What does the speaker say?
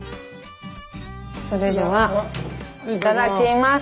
それではいただきます！